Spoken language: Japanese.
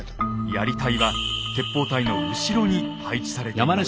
やり隊は鉄砲隊の後ろに配置されていました。